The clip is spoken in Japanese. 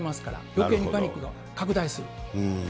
よけいにパニックが拡大する。